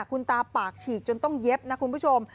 คุณตาปากฉีกจนต้องเย็บนะคุณผู้ชม